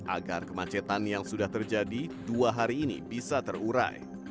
agar kemacetan yang sudah terjadi dua hari ini bisa terurai